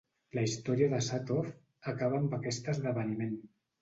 La història de Sudhof acaba amb aquest esdeveniment.